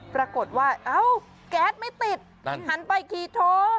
ปรากฏว่าเอ้าแก๊สไม่ติดหันไปขี่โท